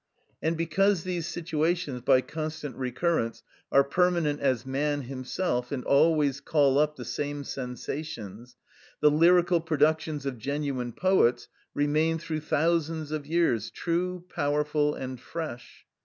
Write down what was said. And because these situations, by constant recurrence, are permanent as man himself and always call up the same sensations, the lyrical productions of genuine poets remain through thousands of years true, powerful, and fresh.